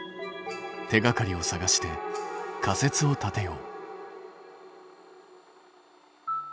手がかりを探して仮説を立てよう。